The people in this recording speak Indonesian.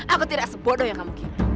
aku tidak sebodoh yang kamu kiri